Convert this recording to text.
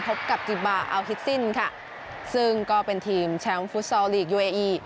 พบกับจิบาอัลฮิตซินค่ะซึ่งก็เป็นทีมแชมป์ฟุตซอลลีกยูเออี